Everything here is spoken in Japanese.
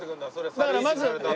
だからまず。